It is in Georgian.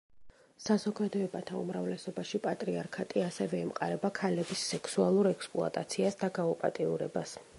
საზოგადოებათა უმრავლესობაში პატრიარქატი ასევე ემყარება ქალების სექსუალურ ექსპლუატაციას და გაუპატიურებას.